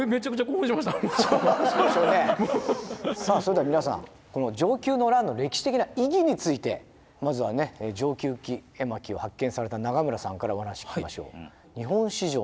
さあそれでは皆さんこの承久の乱の歴史的な意義についてまずはね「承久記絵巻」を発見された長村さんからお話聞きましょう。